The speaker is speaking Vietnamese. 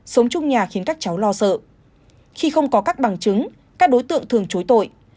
sống trong nhà khiến các cháu lo sợ khi không có các bằng chứng các đối tượng thường chối tội